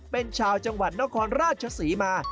เป็นชาวจังหวัดนครราชศรีมา